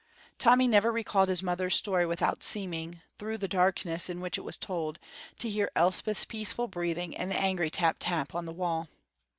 Tommy never recalled his mother's story without seeming, through the darkness in which it was told, to hear Elspeth's peaceful breathing and the angry tap tap on the wall.